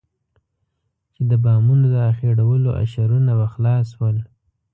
چې د بامونو د اخېړولو اشرونه به خلاص شول.